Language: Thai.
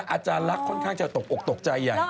อาจารย์ลักษณ์ค่อนข้างจะตกออกตกใจอย่างนี้